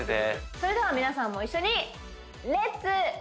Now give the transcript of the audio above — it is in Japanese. それでは皆さんも一緒にレッツ！